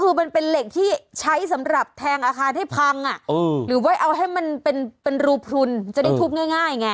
เอาให้มันเป็นรูปทุนจะได้ทุบง่ายไง